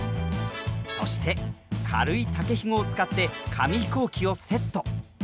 そして軽い竹ひごを使って紙飛行機をセット。